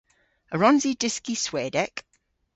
A wrons i dyski Swedek?